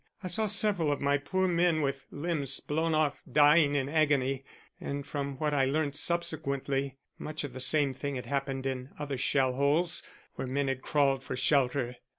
I saw several of my poor men with limbs blown off dying in agony, and from what I learned subsequently much the same thing had happened in other shell holes where men had crawled for shelter.